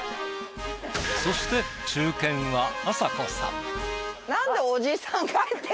そして中堅はあさこさん。